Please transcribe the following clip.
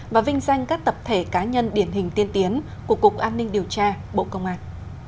và vinh danh các tập thể cá nhân điển hình tiên tiến của cục an ninh điều tra bộ công an